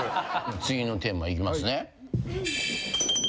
次のテーマいきますね。